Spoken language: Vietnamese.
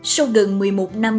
sau gần một mươi một năm